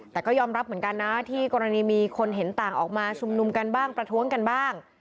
แต่ก็ยอมรับเหมือนกันนะที่กรณีมีคนเห็นต่างออกมาชุมนุมกันบ้างประท้วงกันบ้าง